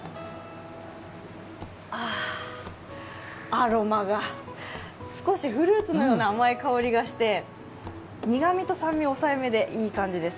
アロマが少しフルーツのような甘い感じがして苦みと酸味が抑えめでいい感じです。